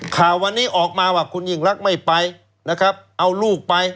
ข่าววันนี้ออกมาว่าคุณยิ่งรักไม่ไปนะครับเอาลูกไป